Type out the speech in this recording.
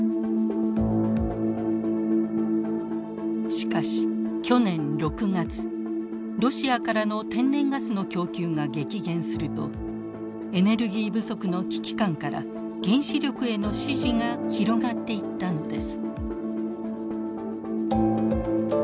しかし去年６月ロシアからの天然ガスの供給が激減するとエネルギー不足の危機感から原子力への支持が広がっていったのです。